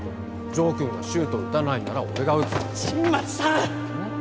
城君がシュートを打たないなら俺が打つ新町さん！